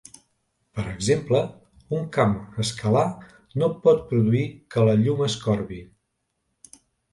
Per exemple, un camp escalar no pot produir que la llum es corbi.